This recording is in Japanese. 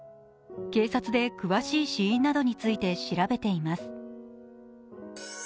警察で詳しい死因などについて調べています。